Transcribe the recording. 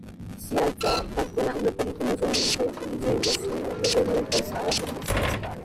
Si alzò, barcollando pericolosamente, dirigendosi dove lui pensava che fosse la scala.